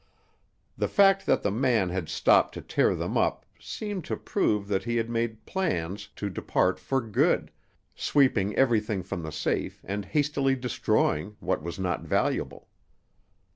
The fact that the man had stopped to tear them up seemed to prove that he had made plans to depart for good, sweeping everything from the safe and hastily destroying what was not valuable.